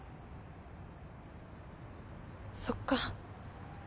そっか。